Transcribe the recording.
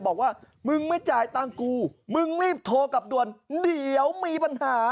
บอกว่ามึงไม่จ่ายตังค์กูมึงรีบโทรกลับด่วนเดี๋ยวมีปัญหา